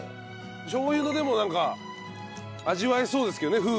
しょう油のでもなんか味わえそうですけどね